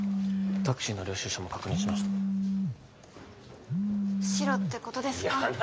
タクシーの領収証も確認しましたシロってことですかいや話